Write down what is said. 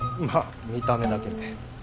まあ見た目だけね。